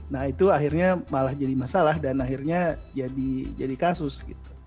nah itu akhirnya malah jadi masalah dan akhirnya jadi kasus gitu